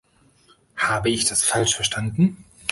Habe ich das falsch verstanden?